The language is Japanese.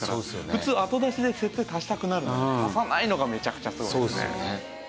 普通後出しで設定足したくなるのに足さないのがめちゃくちゃすごいですね。